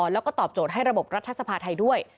แล้วก็ตอบโจทย์ให้ระบบรัฐสภาไทยด้วย